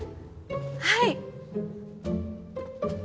はい！